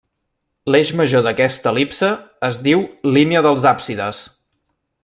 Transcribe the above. L'eix major d'aquesta el·lipse es diu línia dels àpsides.